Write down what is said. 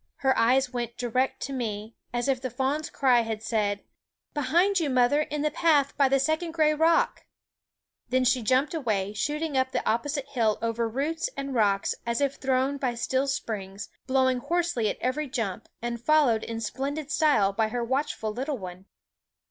Her eyes went direct to me, as if the fawn's cry had said: " Behind you, mother, in the path by the second gray rock !" Then she jumped away, shooting up the opposite hill over roots and rocks as if thrown by steel springs, blow ing hoarsely at every jump, and followed in splendid style by her watchful little one.